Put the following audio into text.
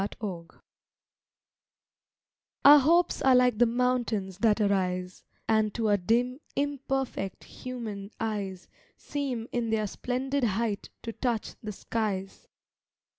HOPES Our hopes are like the mountains that arise, And to our dim, imperfect, human eyes Seem in their splendid height to touch the skies.